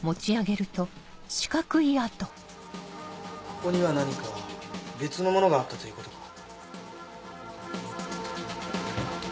ここには何か別のものがあったということか。